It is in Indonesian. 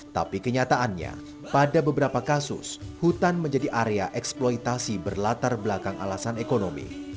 tapi kenyataannya pada beberapa kasus hutan menjadi area eksploitasi berlatar belakang alasan ekonomi